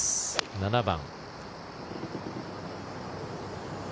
７番。